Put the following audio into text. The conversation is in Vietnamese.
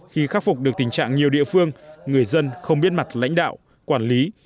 khi khắc phục được tình trạng nhiều địa phương người dân không biết mặt lãnh đạo quản lý